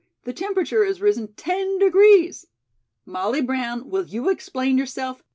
The temperature has risen ten degrees." "Molly Brown, will you explain yourself?